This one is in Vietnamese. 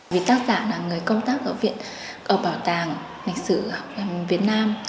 vì tác giả là người công tác ở bảo tàng lịch sử việt nam